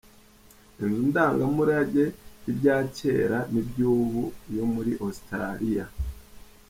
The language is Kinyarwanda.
Inzu ndangamurage y'ibya kera ni by'ubu yo muri Australia.